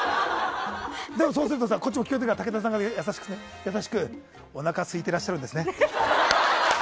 でも、そうするとこっちにも聞こえてくるから武田さんが優しくおなかすいてらっしゃるんですね。